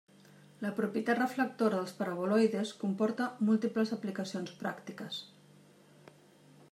La propietat reflectora dels paraboloides comporta múltiples aplicacions pràctiques.